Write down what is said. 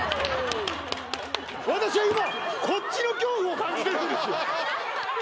私は今こっちの恐怖を感じてるんですよ